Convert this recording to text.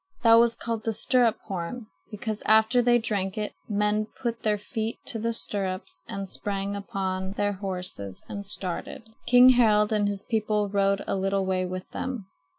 That was called the stirrup horn, because after they drank it the men put their feet to the stirrups and sprang upon their horses and started. King Harald and his people rode a little way with them.